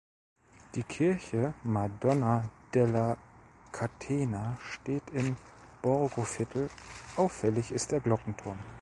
Die Kirche Madonna della Catena steht im Borgo-Viertel, auffällig ist der Glockenturm.